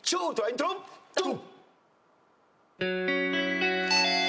ドン！